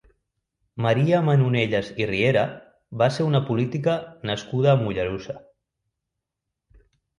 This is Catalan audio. Maria Manonelles i Riera va ser una política nascuda a Mollerussa.